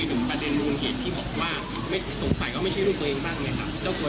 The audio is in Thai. สงสัยว่ามันไม่ใช่ลูกตัวเองบ้างไหมครับ